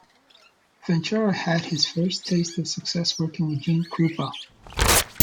Ventura had his first taste of success working with Gene Krupa.